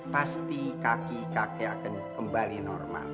pasti kaki kakek akan kembali normal